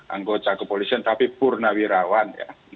anggota kepolisian tapi purnawirawan